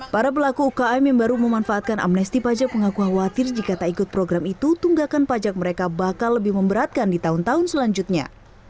para pelaku ukm yang baru memanfaatkan amnesti pajak mengaku khawatir jika tak ikut program itu tunggakan pajak mereka bakal lebih memberatkan di tahun tahun selanjutnya